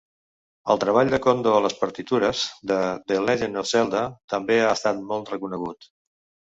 El treball de Kondo a les partitures de "The Legend of Zelda" també ha estat molt reconegut.